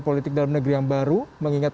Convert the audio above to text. politik dalam negeri yang baru mengingat